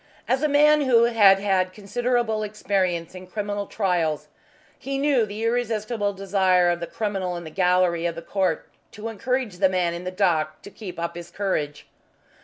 As a man who had had considerable experience in criminal trials he knew the irresistible desire of the criminal in the gallery of the court to encourage the man in the dock to keep up his courage.